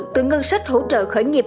từ ngân sách hỗ trợ khởi nghiệp